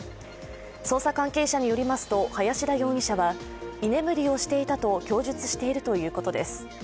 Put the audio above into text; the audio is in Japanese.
捜査関係者によりますと林田容疑者は居眠りをしていたと供述しているということです。